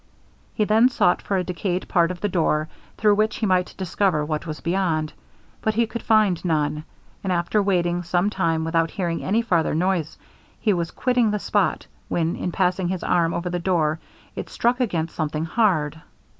He then sought for a decayed part of the door, through which he might discover what was beyond; but he could find none; and after waiting some time without hearing any farther noise, he was quitting the spot, when in passing his arm over the door, it struck against something hard.